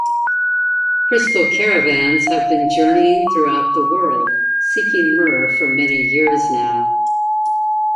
Crystal caravans have been journeying throughout the world, seeking myrrh for many years now.